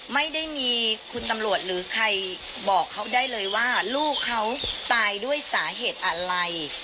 ไม่ได้มีคุณตำรวจหรือใครบอกเขาได้เลยว่าลูกเขาตายด้วยสาเหตุอะไร